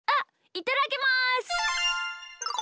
いただきます！